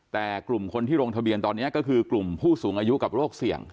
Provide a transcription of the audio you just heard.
แต่กลุ่มคนที่ลงทะเบียนตอนนี้ก็คือกลุ่มผู้สูงอายุกับโรคเสี่ยง